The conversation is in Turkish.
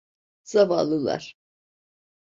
Zavallılar!